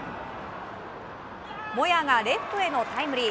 モヤがレフトへのタイムリー！